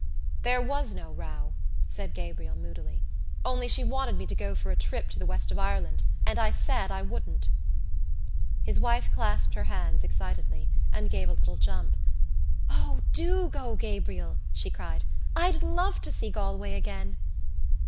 "There was no row," said Gabriel moodily, "only she wanted me to go for a trip to the west of Ireland and I said I wouldn't." His wife clasped her hands excitedly and gave a little jump. "O, do go, Gabriel," she cried. "I'd love to see Galway again."